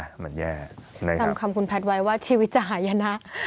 มันแย่จำคำคุณแพทย์ไว้ว่าชีวิตจะหายนะ